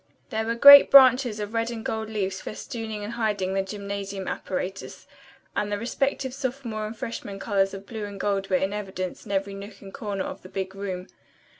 There were great branches of red and gold leaves festooning and hiding the gymnasium apparatus, and the respective sophomore and freshman colors of blue and gold were in evidence in every nook and corner of the big room.